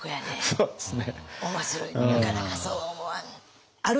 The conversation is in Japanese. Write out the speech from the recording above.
そうですよね。